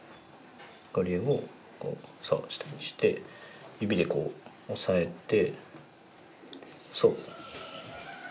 これをそう下にして指でこう押さえてそう。